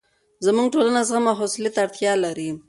زموږ ټولنه زغم او حوصلې ته اړتیا لري.